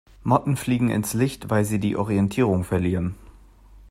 Motten fliegen ins Licht, weil sie die Orientierung verlieren.